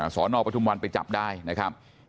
สนปทุมวันไปจับได้นะครับ